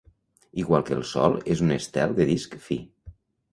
Igual que el Sol, és un estel del disc fi.